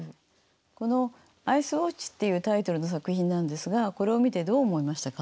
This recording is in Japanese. この「アイス・ウオッチ」っていうタイトルの作品なんですがこれを見てどう思いましたか？